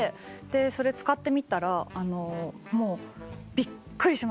それ使ってみたらもうびっくりしました。